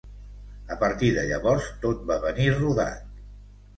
A partir de llavors tot va venir rodat.